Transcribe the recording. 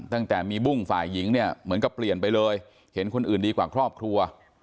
ตั้งแต่มีบุ้งฝ่ายหญิงเนี่ยเหมือนกับเปลี่ยนไปเลยเห็นคนอื่นดีกว่าครอบครัว